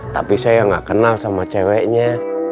tapi saya nggak kenal sama ceweknya